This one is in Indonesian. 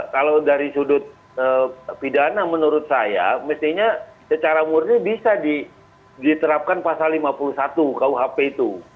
kalau dari sudut pidana menurut saya mestinya secara murni bisa diterapkan pasal lima puluh satu kuhp itu